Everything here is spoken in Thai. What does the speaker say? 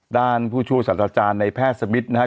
ด้านผู้ช่วยสัตว์อาจารย์ในแพทย์สมิตรนะครับ